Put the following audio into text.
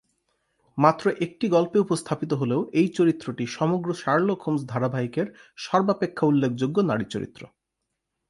মাত্র একটি গল্পে উপস্থাপিত হলেও এই চরিত্রটি সমগ্র শার্লক হোমস ধারাবাহিকের সর্বাপেক্ষা উল্লেখযোগ্য নারী চরিত্র।